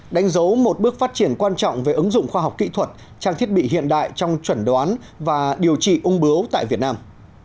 đánh dấu một bước phát triển quan trọng về ứng dụng khoa học kỹ thuật trang thiết bị hiện đại trong chuẩn đoán và điều trị ung bướu tại việt nam